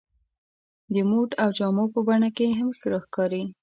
د موډ او جامو په بڼه کې هم راښکاري.